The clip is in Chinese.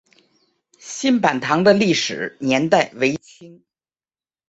新坂堂的历史年代为清。